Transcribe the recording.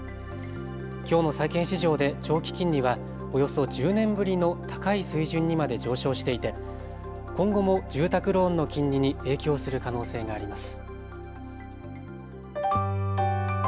きょうの債券市場で長期金利はおよそ１０年ぶりの高い水準にまで上昇していて今後も住宅ローンの金利に影響する可能性があります。